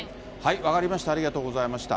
分かりました、ありがとうございました。